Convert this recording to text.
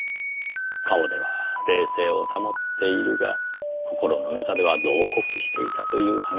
顔では冷静を保っているが心の中では慟哭していたという話です。